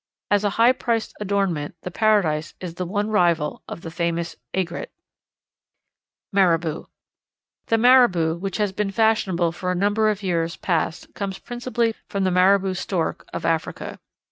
As a high priced adornment the Paradise is the one rival of the famous aigrette. Maribou. The Maribou which has been fashionable for a number of years past comes principally from the Maribou Stork of Africa.